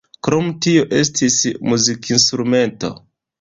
Krome tio estis muzikinstruisto.